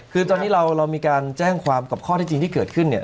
คือตอนนี้เรามีการแจ้งความกับข้อที่จริงที่เกิดขึ้นเนี่ย